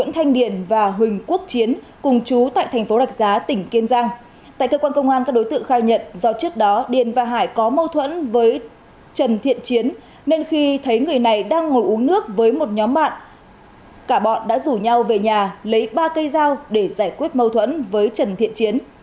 tại cơ quan công an các đối tượng khai nhận do trước đó điền và hải có mâu thuẫn với trần thiện chiến nên khi thấy người này đang ngồi uống nước với một nhóm bạn cả bọn đã rủ nhau về nhà lấy ba cây dao để giải quyết mâu thuẫn với trần thiện chiến